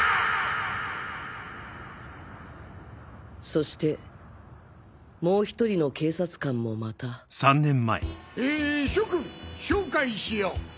そしてもう１人の警察官もまたえ諸君紹介しよう。